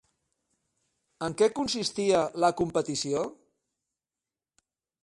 En què consistia la competició?